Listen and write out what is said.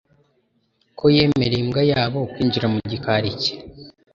ko yemereye imbwa yabo kwinjira mu gikari cye